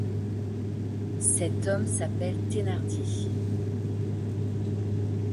Cet homme s’appelle Thénardier.